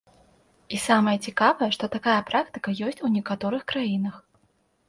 І самае цікавае, што такая практыка ёсць у некаторых краінах.